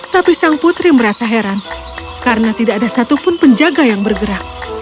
tapi sang putri merasa heran karena tidak ada satupun penjaga yang bergerak